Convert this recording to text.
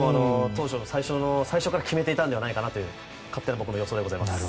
最初から決めていたんではないかなという勝手な僕の予想でございます。